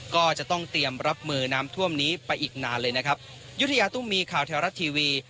ก็จะต้องเตรียมรับมือน้ำท่วมนี้ไปอีกนานเลยนะครับยุธยาตุ้มมีข่าวแถวรัฐทีวี